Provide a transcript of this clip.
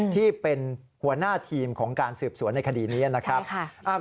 ที่เป็นหัวหน้าทีมของการสืบสวนในคดีนี้นะครับ